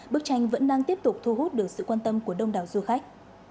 bức tranh vẫn đang tiếp tục thu hút được sự quan tâm của đông đảo du khách